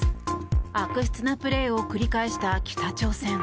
悪質なプレーを繰り返した北朝鮮。